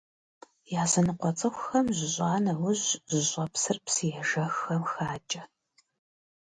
Языныкъуэ цӀыхухэм, жьыщӀа нэужь, жьыщӀэпсыр псыежэххэм хакӀэ.